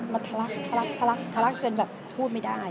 มันทะลักทะลักจนแบบพูดไม่ได้